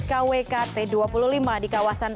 kwk t dua puluh lima di kawasan